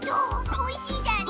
おいしいじゃり？